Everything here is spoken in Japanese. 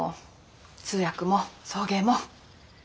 通訳も送迎も。